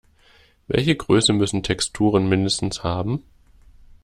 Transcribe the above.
Welche Größe müssen Texturen mindestens haben?